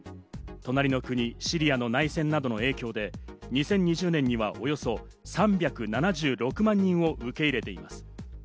隣の国シリアの内戦などの影響で、２０２０年にはおよそ３７６万人を受け入れています。